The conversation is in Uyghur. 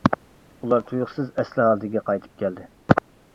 ئۇلار تۇيۇقسىز ئەسلى ھالىتىگە قايتىپ كەلدى.